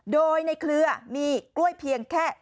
โดยในเครือมีกล้วยเพียงแค่